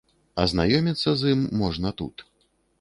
Азнаёміцца з ім можна тут.